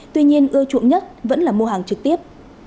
tuy nhiên ưa chuộng nhất vẫn là mua hàng trực tiếp